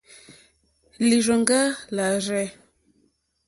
Lírzòŋɡá lârzɛ̂.